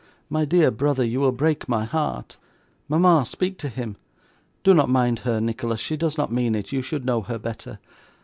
My dear brother, you will break my heart. Mama, speak to him. Do not mind her, Nicholas; she does not mean it, you should know her better.